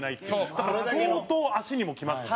だから、相当足にもきますし。